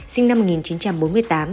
sinh năm một nghìn chín trăm bốn mươi tám